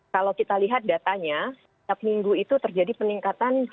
kalau kita lihat datanya setiap minggu itu terjadi peningkatan